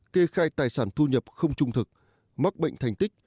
kê khai tài sản thu nhập không trung thực mắc bệnh thành tích